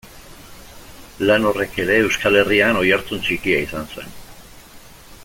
Lan horrek ere Euskal Herrian oihartzun txikia izan zuen.